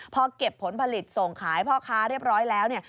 พอเก็บผลผลิตส่งขายพ่อค้าเรียบร้อยแล้วเนี่ย